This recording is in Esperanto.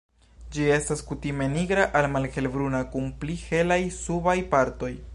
Ĝi estas kutime nigra al malhelbruna kun pli helaj subaj partoj.